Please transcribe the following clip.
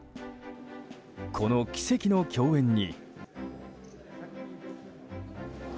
この奇跡の共演に。